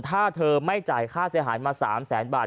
ถ้าเธอไม่จ่ายค่าเสียหายมา๓แสนบาท